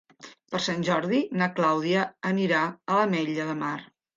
Per Sant Jordi na Clàudia anirà a l'Ametlla de Mar.